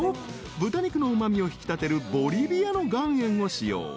［豚肉のうま味を引き立てるボリビアの岩塩を使用］